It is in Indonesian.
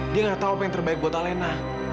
dia nggak tau apa yang terbaik buat elena